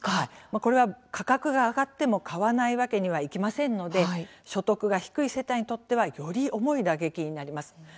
これは価格が上がっても買わないわけにはいきませんので所得が低い世帯にとってはより重い打撃になります。